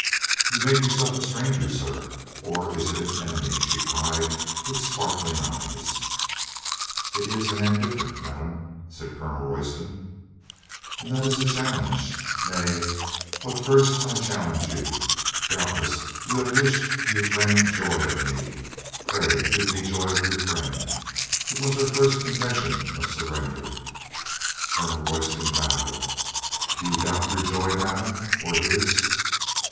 "You make yourself a stranger, sir. Or is it an enemy?" she cried, with sparkling eyes. "It is an indifferent, madame," said Colonel Roy ston, "And that is a challenge. Nay, but first I chal lenge you. Doubtless you have wished your friend joy of me. Pray, give me joy of your friend." It was her first confession of surrender. Colonel Royston bowed. "Do you doubt your joy, madame, or his?"